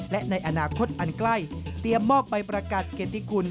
และในอนาคตอันใกล้เตรียมมอบใบประกาศเกติคุณ